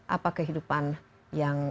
apa kehidupan yang